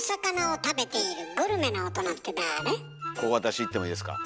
ここ私いってもいいですか？